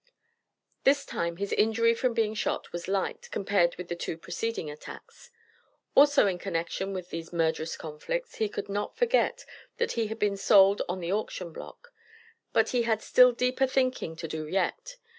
This time his injury from being shot was light, compared with the two preceding attacks. Also in connection with these murderous conflicts, he could not forget that he had been sold on the auction block. But he had still deeper thinking to do yet.